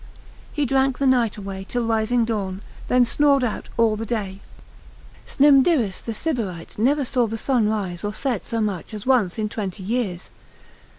——— ———He drank the night away Till rising dawn, then snored out all the day. Snymdiris the Sybarite never saw the sun rise or set so much as once in twenty years.